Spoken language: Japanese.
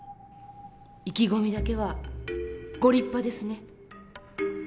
意気込みだけはご立派ですね。